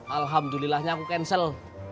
alhamdulillahnya aku cancel